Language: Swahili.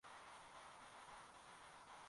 Meza ni chafu.